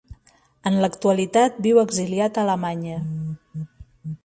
En l'actualitat viu exiliat a Alemanya.